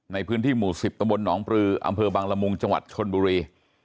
ในพื้นที่หมู่๑๐ตำบลหนองปลืออำเภอบังละมุงจังหวัดชนบุรี